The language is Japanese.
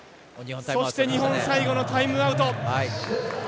日本、最後のタイムアウト。